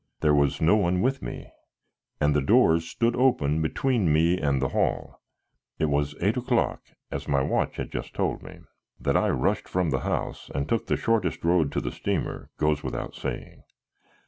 There was no one with me, and the doors stood open between me and the hall. It was eight o'clock, as my watch had just told me. That I rushed from the house and took the shortest road to the steamer, goes without saying.